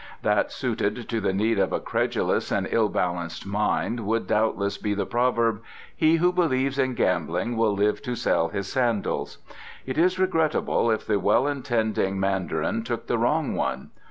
"That suited to the need of a credulous and ill balanced mind would doubtless be the proverb: 'He who believes in gambling will live to sell his sandals.' It is regrettable if the well intending Mandarin took the wrong one.